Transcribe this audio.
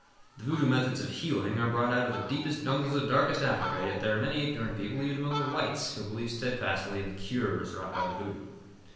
The voodoo methods of "healing" are brought out of the deepest jungles of darkest Africa, yet there are many ignorant people, even among the whites, who believe steadfastly in the "cures" wrought by the voodoo.